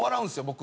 僕。